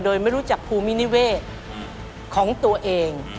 โดยไม่รู้จักภูมินิเวศของตัวเอง